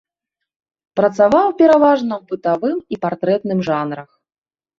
Працаваў пераважна ў бытавым і партрэтным жанрах.